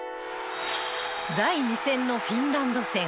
第２戦のフィンランド戦。